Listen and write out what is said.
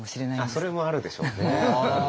あっそれもあるんでしょうね。